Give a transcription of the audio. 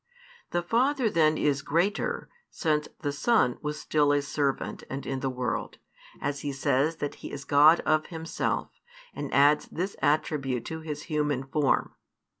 The Father then is greater since the Son was still a servant and in the world, as He says that He is God of Himself, and adds this attribute to His human form.